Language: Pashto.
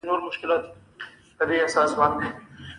زرکه ژاړي او واجده خاندي